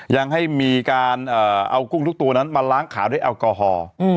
ยังให้มีการเอากุ้งทุกตัวนั้นมาล้างขาด้วยแอลกอฮอล์